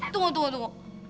tunggu tunggu tunggu